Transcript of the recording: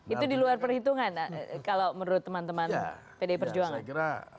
itu diluar perhitungan kalau menurut teman teman bdi perjuangan